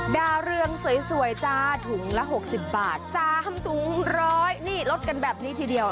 ดาเรืองสวยสวยจ้าถุงละหกสิบบาทจ้าห้ำถุงร้อยนี่ลดกันแบบนี้ทีเดียว